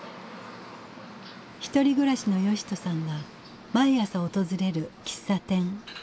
１人暮らしの義人さんが毎朝訪れる喫茶店。